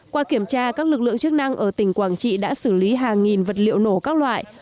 qua kiểm tra các lực lượng chức năng ở tỉnh quảng trị đã xử lý hàng nghìn vật liệu nổ các loại